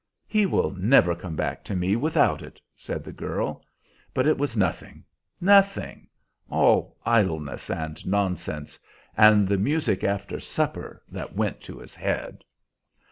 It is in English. "He will never come back to me without it," said the girl. "But it was nothing nothing! All idleness and nonsense, and the music after supper that went to his head."